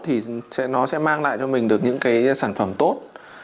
thì nó sẽ mang lại cho mình được những cái sản phẩm tốt